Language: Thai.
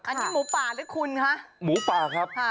อันนี้หมูป่าหรือคุณคะหมูป่าครับ